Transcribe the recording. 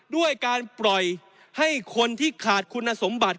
ด้วยการปล่อยให้คนที่ขาดคุณสมบัติ